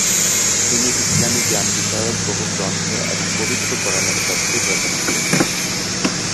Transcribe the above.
তিনি ইসলামি জ্ঞান বিষয়ক বহু গ্রন্থ এবং পবিত্র কোরআনের তাফসীর রচনা করেছেন।